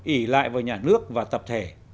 ỉ lại vào nhà nước và tập thể